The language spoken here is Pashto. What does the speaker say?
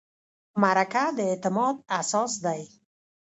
مرکه د اعتماد اساس دی.